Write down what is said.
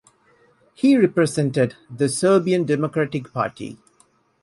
He represented the Serbian Democratic Party.